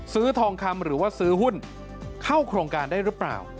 ทองคำหรือว่าซื้อหุ้นเข้าโครงการได้หรือเปล่า